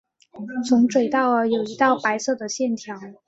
从嘴到耳有一道白色的线条。